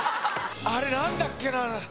あれなんだっけな？